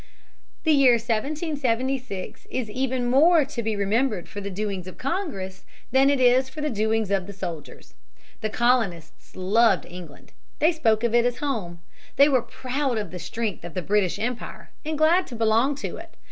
The year 1776 is even more to be remembered for the doings of Congress than it is for the doings of the soldiers. The colonists loved England. They spoke of it as home. They were proud of the strength of the British empire, and glad to belong to it.